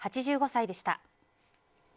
８５歳でした。